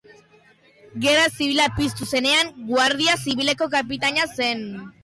Gerra Zibila piztu zenean, guardia zibileko kapitaina zen.